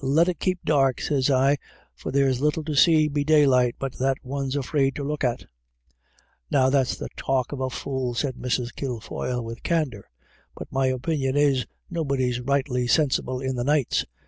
' Let it keep dark,' sez I, 'for there's little to see be daylight but what one's afeard to look at* " I THUNDER IN THE AIR. 181 « Now that's the talk of a fool," said Mrs. Kil foyle with candour, " but my opinion is, nobody's rightly sinsible in the nights.